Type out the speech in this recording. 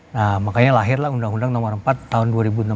nah makanya lahirlah undang undang nomor empat tahun dua ribu enam belas